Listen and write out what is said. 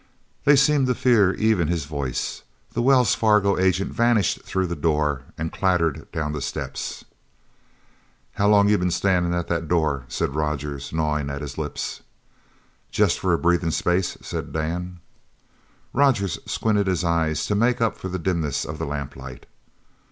They seemed to fear even his voice. The Wells Fargo agent vanished through the door and clattered down the steps. "How long you been standin' at that door?" said Rogers, gnawing his lips. "Jest for a breathin' space," said Dan. Rogers squinted his eyes to make up for the dimness of the lamplight.